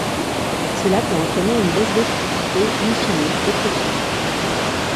Cela peut entraîner une baisse des prix et, in fine, des profits.